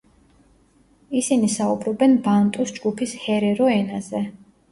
ისინი საუბრობენ ბანტუს ჯგუფის ჰერერო ენაზე.